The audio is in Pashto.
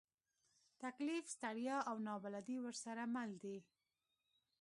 تکلیف، ستړیا، او نابلدي ورسره مل دي.